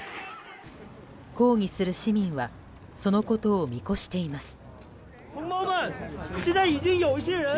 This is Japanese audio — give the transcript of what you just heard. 抗議する市民はそのことを見越しています。